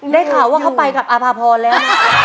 ได้ข่าวว่าเขาไปกับอาภาพรแล้วนะ